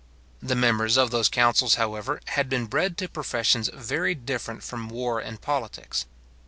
The members of those councils, however, had been bred to professions very different from war and politics.